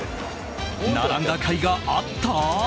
並んだかいがあった？